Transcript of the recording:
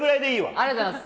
ありがとうございます。